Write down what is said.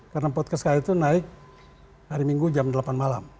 karena podcast kali itu naik hari minggu jam delapan malam